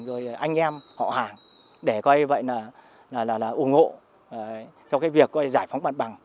rồi anh em họ hàng để coi như vậy là ủng hộ trong cái việc giải phóng bản bằng